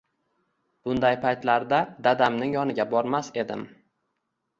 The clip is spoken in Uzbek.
Bunday paytlarda dadamning yoniga bormas edim.